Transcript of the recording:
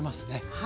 はい。